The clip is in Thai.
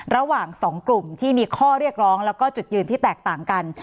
ระหว่างสองกลุ่มที่มีข้อเรียกร้องแล้วก็จุดยืนที่แตกต่างกัน